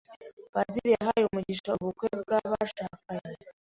Padiri yahaye umugisha ubukwe bwabashakanye.